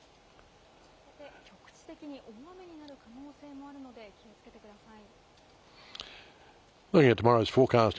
夜にかけて、局地的に大雨になる可能性もあるので、気をつけてください。